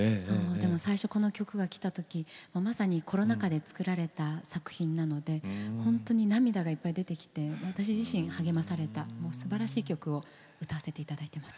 でも最初この曲がきたときまさにコロナ禍で作られた作品なので本当に涙がいっぱい出てきて私自身、励まされたすばらしい曲を歌わせていただいています。